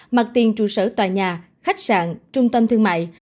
mặc tiền trung sở tòa nhà khách sạn trung tâm thương mại